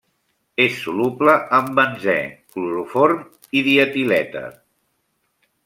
És soluble en benzè, cloroform i dietilèter.